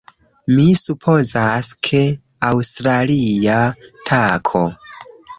Mi supozas, ke... aŭstralia tako!